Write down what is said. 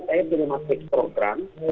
saya berumah fix program